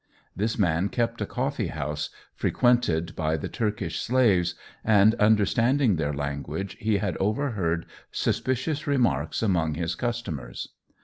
This man kept a coffee house frequented by the Turkish slaves, and understanding their language, he had overheard suspicious remarks among his customers.